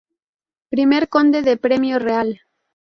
Primer Conde de Premio Real.